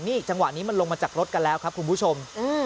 นี่จังหวะนี้มันลงมาจากรถกันแล้วครับคุณผู้ชม